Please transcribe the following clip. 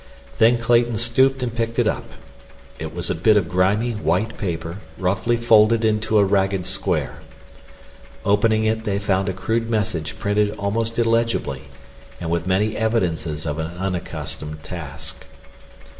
Then Clayton stooped and picked it up. It was a bit of grimy, white paper roughly folded into a ragged square. Opening it they found a crude message printed almost illegibly, and with many evidences of an unaccustomed task.